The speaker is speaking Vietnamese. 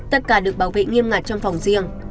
tất cả được bảo vệ nghiêm ngặt trong phòng riêng